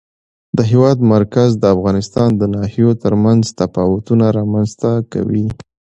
د هېواد مرکز د افغانستان د ناحیو ترمنځ تفاوتونه رامنځته کوي.